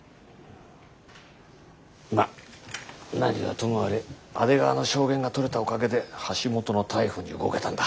まあ何はともあれ阿出川の証言が取れたおかげで橋本の逮捕に動けたんだ。